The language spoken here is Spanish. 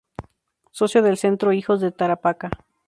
Socio del Centro Hijos de Tarapacá.